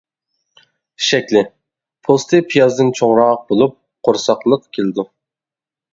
شەكلى، پوستى پىيازدىن چوڭراق بولۇپ، قورساقلىق كېلىدۇ.